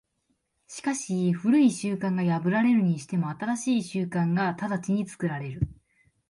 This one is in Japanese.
しかし旧い習慣が破られるにしても、新しい習慣が直ちに作られる。